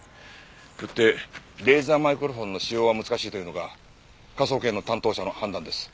よってレーザーマイクロフォンの使用は難しいというのが科捜研の担当者の判断です。